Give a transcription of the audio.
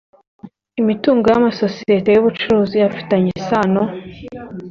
Imitungo y’amasosiyete y’ubucuruzi afitanye isano